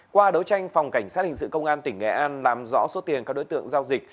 qua đấu tranh phòng cảnh sát hình sự công an tỉnh nghệ an làm rõ số tiền các đối tượng giao dịch